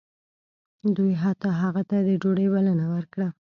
دوی حتی هغه ته د ډوډۍ بلنه ورکړه